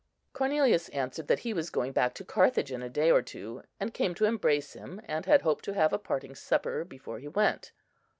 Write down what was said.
Cornelius answered that he was going back to Carthage in a day or two, and came to embrace him, and had hoped to have a parting supper before he went.